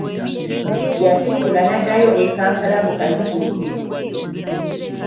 Yasiibula n'addayo e Kampala mu kazigo ke.